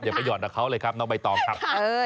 อย่าไปหยอดกับเขาเลยเนาะบ่อยตองครับ